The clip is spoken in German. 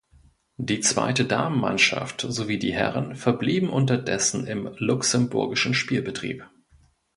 Die zweite Damenmannschaft sowie die Herren verblieben unterdessen im luxemburgischen Spielbetrieb.